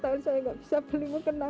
tiga puluh tahun saya gak bisa beli mukena